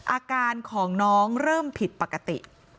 อาการของน้องเริ่มผิดปกติ